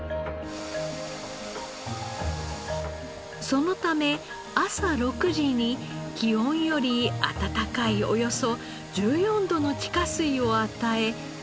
そのため朝６時に気温より暖かいおよそ１４度の地下水を与え温めているのです。